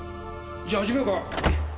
じゃあ始めようか。